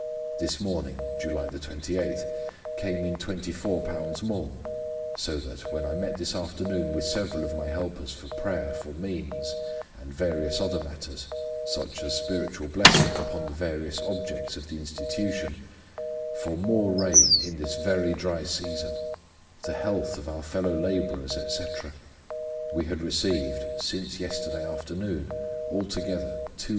This morning, July 28, came in £24 more, so that, when I met this afternoon with several of my helpers for prayer for means and various other matters, such as spiritual blessing upon the various Objects of the Institution, for more rain in this very dry season, the health of our fellow labourers, etc., we had received, since yesterday afternoon, altogether £217.